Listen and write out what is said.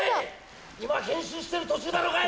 今変身してる途中だろがい！